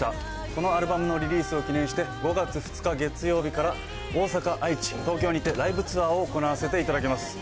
このアルバムのリリースを記念して、５月２日月曜日から、大阪、愛知、東京にてライブツアーを行わせていただきます。